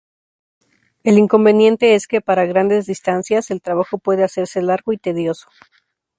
El inconveniente es que para grandes distancias, el trabajo puede hacerse largo y tedioso.